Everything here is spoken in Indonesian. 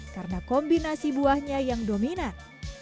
karena kombinasi buahnya yang dominan